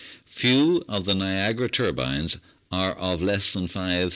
Few of the Niagara turbines are of less than 5,000 h.